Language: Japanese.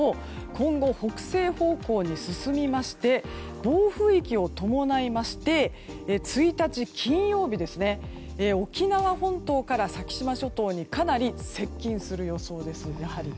今後、北西方向に進みまして暴風域を伴いまして１日、金曜日沖縄本島から先島諸島にかなり接近する予想です。